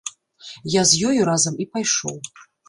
Я з ёю разам і пайшоў.